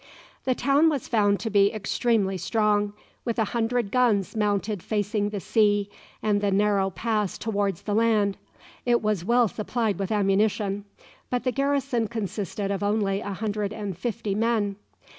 The town was found to be extremely strong, with a hundred guns mounted facing the sea and the narrow pass towards the land. It was well supplied with ammunition, but the garrison consisted of only a hundred and fifty men.